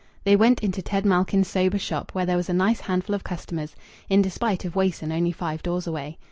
They went into Ted Malkin's sober shop, where there was a nice handful of customers, in despite of Wason only five doors away.